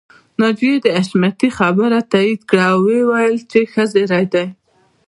ناجيې د حشمتي خبره تاييد کړه او وويل چې ښه زيری دی